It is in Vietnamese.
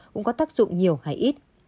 cũng có tác dụng nhiều hay ít